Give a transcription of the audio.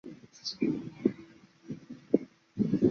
羊臼河站南下昆明方向有六渡河展线。